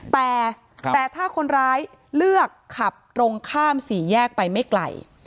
แต่ถ้าคนร้ายเลือกขับตรงข้ามสี่แยกไปไม่ไกล